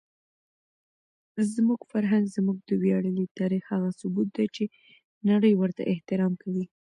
زموږ فرهنګ زموږ د ویاړلي تاریخ هغه ثبوت دی چې نړۍ ورته احترام کوي.